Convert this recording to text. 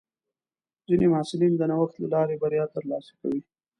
ځینې محصلین د نوښت له لارې بریا ترلاسه کوي.